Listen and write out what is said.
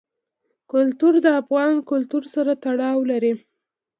کلتور د افغان کلتور سره تړاو لري.